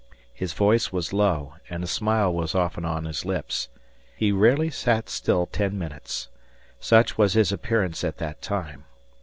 His voice was low, and a smile was often on his lips. He rarely sat still ten minutes. Such was his appearance at that time.